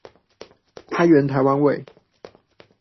開源台灣味